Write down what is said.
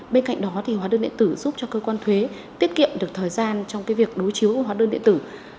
bên cạnh đó hóa đơn điện tử giúp cho cơ quan thuế tiết kiệm được thời gian trong việc đối chiếu hóa đơn điện tử